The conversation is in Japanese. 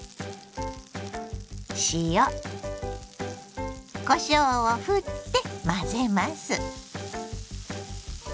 塩こしょうをふって混ぜます。